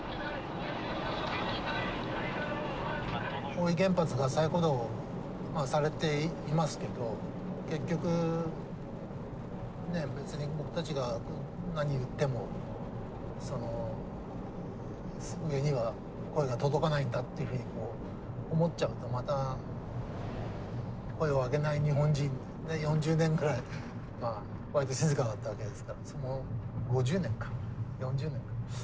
大飯原発が再稼働をされていますけど結局ねっ別に僕たちが何言ってもその上には声が届かないんだっていうふうに思っちゃうとまた声を上げない日本人４０年ぐらいまあ割と静かだったわけですからその５０年か４０年か。